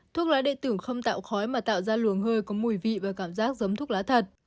thuốc lá địa tử không tạo khói mà tạo ra luồng hơi có mùi vị và cảm giác giống thuốc lá thật